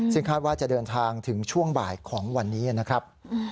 ซึ่งคาดว่าจะเดินทางถึงช่วงบ่ายของวันนี้นะครับ